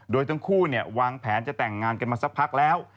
โดยทั้งคู่วางแผนจะแต่งงานกันมาสักพักแล้ว